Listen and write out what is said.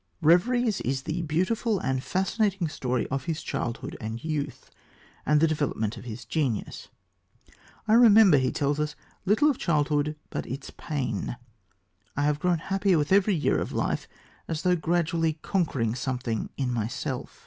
Reveries is the beautiful and fascinating story of his childhood and youth, and the development of his genius. "I remember," he tells us, "little of childhood but its pain. I have grown happier with every year of life, as though gradually conquering something in myself."